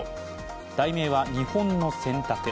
題名は「日本の選択」